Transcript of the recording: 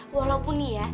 walaupun nih ya